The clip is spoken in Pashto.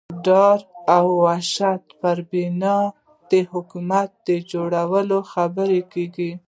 ډار او وحشت پر بنا د حکومت د جوړولو خبرې کېږي.